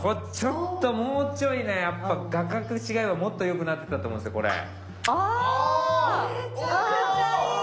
ちょっともうちょいねやっぱ画角違えばもっと良くなってたと思うんですよ